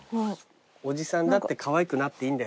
おじさんだってかわいくなっていいんだよ。